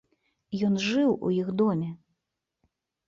Ён жыў у іх доме.